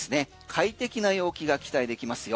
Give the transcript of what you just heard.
快適な陽気が期待できますよ。